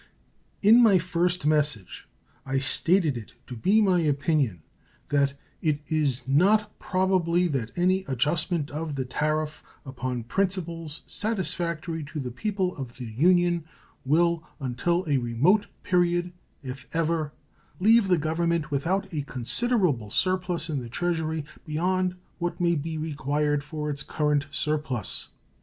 In my first message I stated it to be my opinion that "it is not probably that any adjustment of the tariff upon principles satisfactory to the people of the Union will until a remote period, if ever, leave the Government without a considerable surplus in the Treasury beyond what may be required for its current surplus".